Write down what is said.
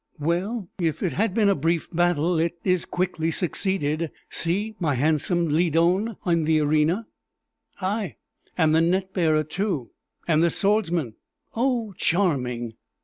"Well, if it has been a brief battle, it is quickly succeeded. See my handsome Lydon on the arena ay, and the net bearer too, and the swordsmen! Oh, charming!"